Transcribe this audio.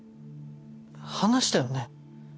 話したよね？